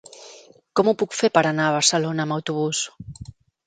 Com ho puc fer per anar a Barcelona amb autobús?